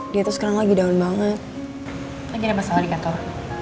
dia tuh sekarang lagi down banget lagi ada masalah di kantor